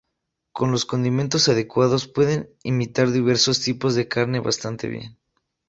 Con los condimentos adecuados, pueden imitar diversos tipos de carne bastante bien.